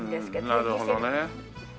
なるほどね。